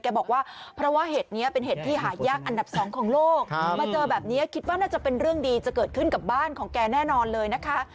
บอกว่าเพราะว่าเห็ดนี้เป็นเห็ดที่หายากอันดับสองของโลกมาเจอแบบนี้คิดว่าน่าจะเป็นเรื่องดีจะเกิดขึ้นกับบ้านของแกแน่นอนเลยนะคะ